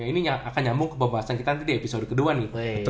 ini akan nyambung kebebasan kita nanti di episode kedua nih